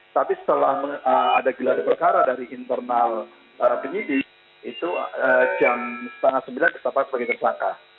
tapi setelah ada gelar berkara dari internal penyidik itu jam setengah sembilan tersangka